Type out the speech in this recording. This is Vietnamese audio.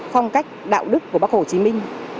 phong cách đạo đức của bắc hồ chí minh